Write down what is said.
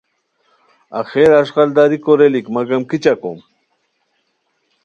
آخر اݱغالداری کوریلیک مگم کیچہ کوم